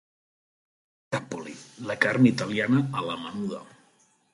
Capoli la carn italiana a la menuda.